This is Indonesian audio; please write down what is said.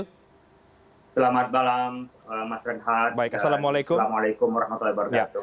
selamat malam mas renhardt assalamualaikum warahmatullahi wabarakatuh